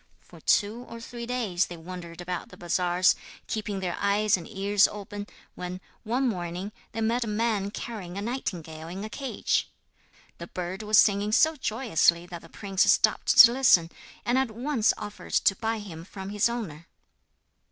For two or three days they wandered about the bazaars, keeping their eyes and ears open, when, one morning, they met a man carrying a nightingale in a cage. The bird was singing so joyously that the prince stopped to listen, and at once offered to buy him from his owner.